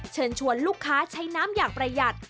เชิญชวนลูกค้าใช้น้ำอย่างประหยัด